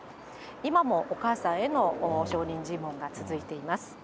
今もお母さんへの証人尋問が続いています。